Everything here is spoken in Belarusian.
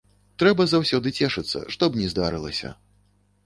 Трэба заўсёды цешыцца, што б ні здарылася.